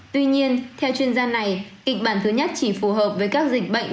tuy nhiên theo chuyên gia này kịch bản thứ nhất chỉ phù hợp với các dịch bệnh